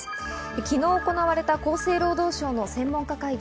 昨日行われた厚生労働省の専門家会議。